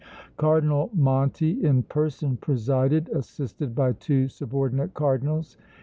Cardinal Monti in person presided, assisted by two subordinate Cardinals.